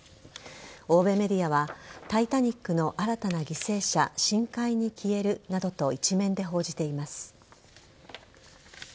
欧米メディアは「タイタニック」の新たな犠牲者深海に消えるなどと一面で報じています。